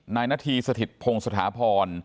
นาธีสถิตพงศ์สถาพร